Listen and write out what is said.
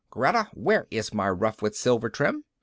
Greta, where is my ruff with silver trim?"